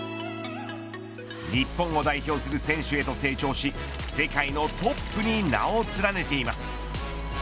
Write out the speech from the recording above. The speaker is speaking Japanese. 日本を代表する選手へと成長し世界のトップに名を連ねています。